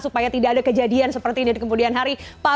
supaya tidak ada kejadian seperti ini